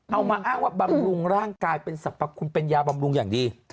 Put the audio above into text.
เอามาอ้างว่าบำรุงร่างกายเป็นสรรพคุณเป็นยาบำรุงอย่างดี